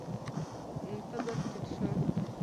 تبر ټيټ شو.